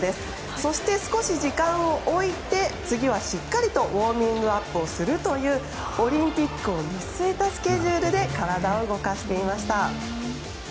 そして、少し時間を置いて次は、しっかりとウォーミングアップをするというオリンピックを見据えたスケジュールで体を動かしていました。